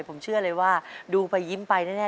ผมเชื่อเลยว่าดูไปยิ้มไปแน่